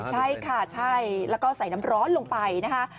ใช่ค่ะใช่แล้วก็ใส่น้ำร้อนลงไปนะคะ